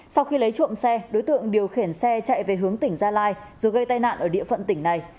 sau khi lấy trộm xe đối tượng điều khiển xe chạy về hướng tỉnh gia lai rồi gây tai nạn ở địa phận tỉnh này